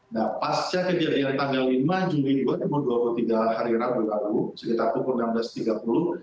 nah pasca kejadian tanggal lima juli dua ribu dua puluh tiga hari rabu lalu sekitar pukul enam belas tiga puluh